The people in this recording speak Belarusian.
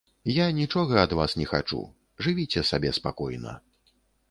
Я нічога ад вас не хачу, жывіце сабе спакойна.